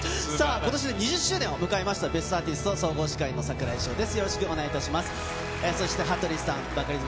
今年で２０周年を迎えた『ベストアーティスト』、総合司会の櫻井翔です。